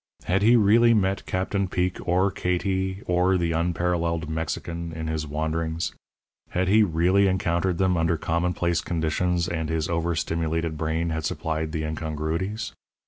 Had he really met Captain Peek or Katie or the unparalleled Mexican in his wanderings had he really encountered them under commonplace conditions and his over stimulated brain had supplied the incongruities?